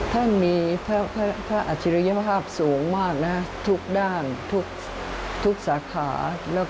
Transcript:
ท่านมีพระอัจฉริยภาพสูงมากนะทุกด้านทุกสาขา